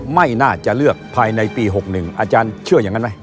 ไม่น่าจะเลือกภายในปี๖๑อาจารย์เชื่ออย่างนั้นไหม